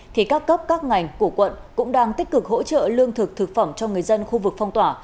thì các cấp các ngành của quận cũng đang tích cực hỗ trợ lương thực thực phẩm cho người dân khu vực phong tỏa